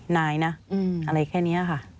นายนะอะไรแค่นี้ค่ะ